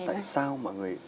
tại sao mọi người